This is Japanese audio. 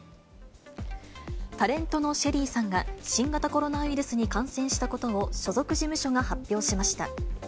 タレントのＳＨＥＬＬＹさんが新型コロナウイルスに感染したことを、所属事務所が発表しました。